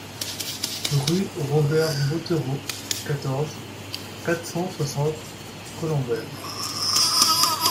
Rue Robert Bothereau, quatorze, quatre cent soixante Colombelles